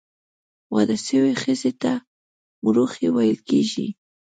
واده سوي ښځي ته، مړوښې ویل کیږي.